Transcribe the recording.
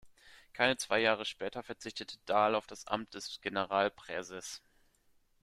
Keine zwei Jahre später verzichtete Dahl auf das Amt des Generalpräses.